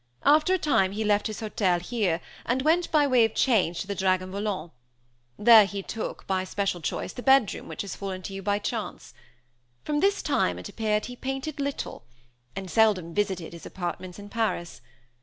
After a time he left his hotel here, and went, by way of change, to the Dragon Volant; there he took, by special choice, the bedroom which has fallen to you by chance. From this time, it appeared, he painted little; and seldom visited his apartments in Paris.